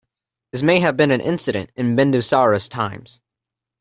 This may have been an incident in Bindusara's times.